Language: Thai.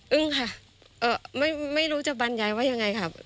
ค่ะไม่รู้จะบรรยายว่ายังไงค่ะ